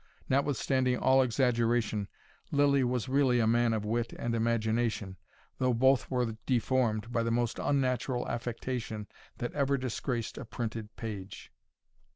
Notwithstanding all exaggeration, Lylly was really a man of wit and imagination, though both were deformed by the most unnatural affectation that ever disgraced a printed page.